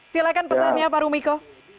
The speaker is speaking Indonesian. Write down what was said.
silakan pesannya pak rumiko